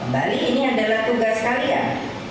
bali ini adalah tugas kalian